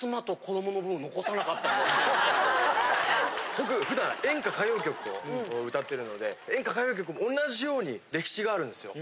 僕普段演歌・歌謡曲を歌ってるので演歌・歌謡曲も同じように歴史があるんですよ。